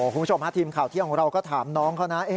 คุณผู้ชมฮะทีมข่าวเที่ยงของเราก็ถามน้องเขานะ